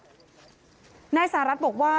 แม่ท่านสารัทธุ์บอกว่า